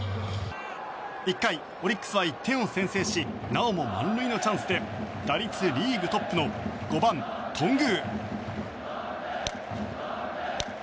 １回、オリックスは１点を先制しなおも満塁のチャンスで打率リーグトップの５番、頓宮。